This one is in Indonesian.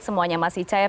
semuanya masih cair